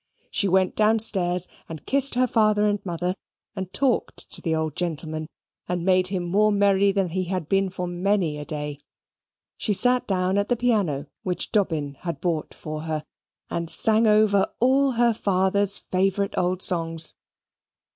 She went downstairs, and kissed her father and mother, and talked to the old gentleman, and made him more merry than he had been for many a day. She sate down at the piano which Dobbin had bought for her, and sang over all her father's favourite old songs.